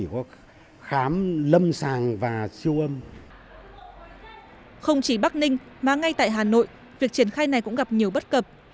không chỉ bắc ninh mà ngay tại hà nội việc triển khai này cũng gặp nhiều bất cập